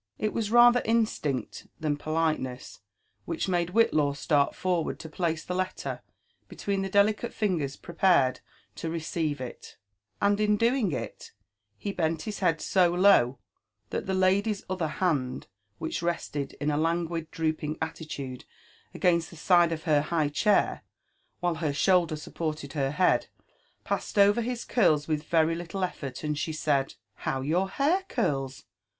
It was rather instinct than politeness which made Whillaw start forward to place the letter between the delicate fingers prepared to re ceive it; and in doing il, he bent his head so low, that the lady's other hand, which rested in a languid, drooping allilude against the side of her high chair, while her shoulder supported her head, passed over his curls with very little elTort, and she said, How your hair curls!